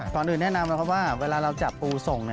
ก่อนอื่นแนะนำนะครับว่าเวลาเราจับปูส่ง